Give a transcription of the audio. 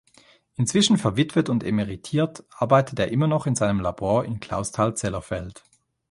Inzwischen verwitwet und emeritiert, arbeitet er immer noch in seinem Labor in Clausthal-Zellerfeld.